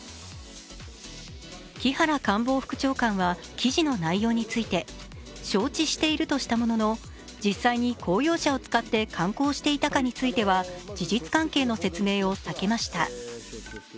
木原官房副長官は記事の内容について承知しているとしたものの実際に公用車を使って観光していたについては事実関係の説明を避けました。